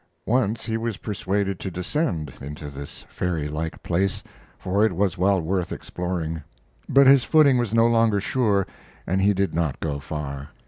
Once he was persuaded to descend into this fairy like place, for it was well worth exploring; but his footing was no longer sure and he did not go far.